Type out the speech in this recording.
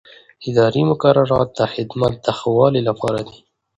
اداري مقررات د خدمت د ښه والي لپاره دي.